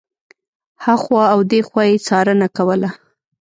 هخوا او دېخوا یې څارنه کوله.